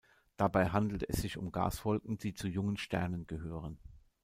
Dabei handelt es sich um Gaswolken, die zu jungen Sternen gehören.